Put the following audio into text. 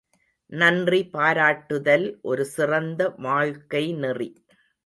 நன்றி பாராட்டுதல் ஒரு சிறந்த வாழ்க்கை நெறி.